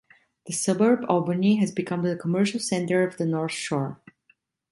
The suburb Albany has become the commercial centre of the North Shore.